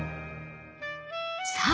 さあ